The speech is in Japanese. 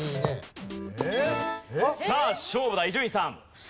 さあ勝負だ伊集院さん。